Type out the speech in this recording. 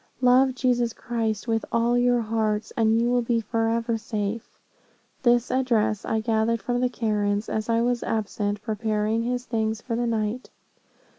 Love Jesus Christ with all your hearts, and you will be forever safe.' This address I gathered from the Karens, as I was absent preparing his things for the night.